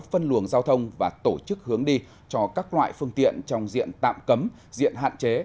phân luồng giao thông và tổ chức hướng đi cho các loại phương tiện trong diện tạm cấm diện hạn chế